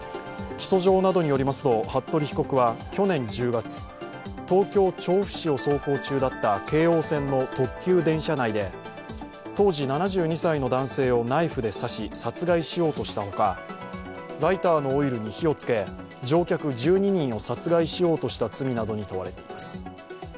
起訴状などによりますと服部被告は去年１０月東京・調布市を走行中だった京王線の特急電車内で、当時７２歳の男性をナイフで刺し殺害しようとしたほかライターのオイルに火をつけ乗客１２人を殺害しようとした罪などに問われています。